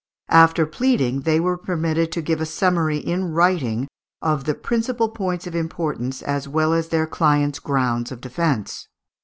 After pleading they were permitted to give a summary in writing of "the principal points of importance as well as their clients' grounds of defence."